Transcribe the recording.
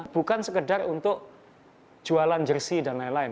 bukan sekedar untuk jualan jersi dan pernikahan